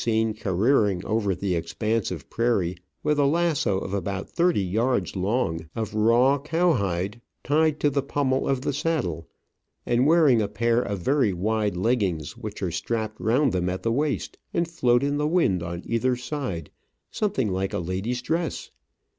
Every morning they may be seen careering over the expanse of prairie with a lasso of about thirty yards long, of raw cow hide, tied to the pommel of the saddle, and wearing a pair of very wide leg gings, which are strapped around them at the waist and float in the wind on either side something like a lady*s dress.